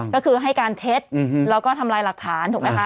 ก็คือให้การเท็จแล้วก็ทำลายหลักฐานถูกไหมคะ